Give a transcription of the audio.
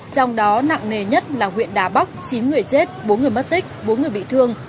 trong đó nặng nề nhất là huyện đà bắc chín người chết bốn người mất tích bốn người bị thương